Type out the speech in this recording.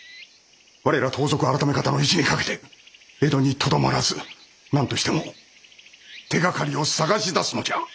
我ら盗賊改方の意地に懸けて江戸にとどまらず何としても手がかりを探し出すのじゃ。